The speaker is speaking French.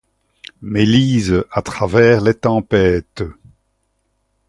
Mais Lise, à travers les tempêtes